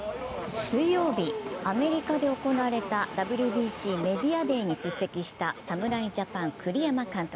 水曜日、アメリカで行われたＷＢＣメディアデーに出席した侍ジャパン・栗山監督。